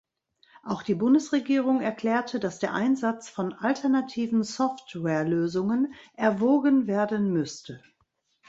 Auch die Bundesregierung erklärte, dass der Einsatz von alternativen Software-Lösungen erwogen werden müsste.